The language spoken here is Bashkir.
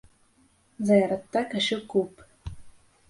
...Зыяратта кеше күп.